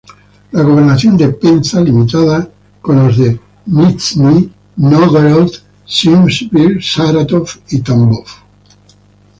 La gobernación de Penza limitaba con las de Nizhni Nóvgorod, Simbirsk, Sarátov y Tambov.